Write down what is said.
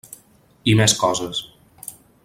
I més coses.